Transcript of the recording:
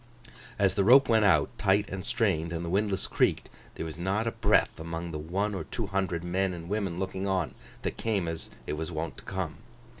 As the rope went out, tight and strained, and the windlass creaked, there was not a breath among the one or two hundred men and women looking on, that came as it was wont to come.